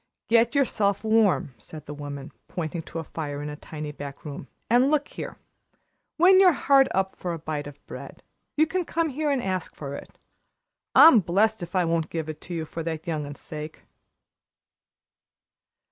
"Get yourself warm," said the woman, pointing to a fire in a tiny back room. "And, look here, when you're hard up for a bite of bread, you can come here and ask for it. I'm blest if I won't give it to you for that young un's sake."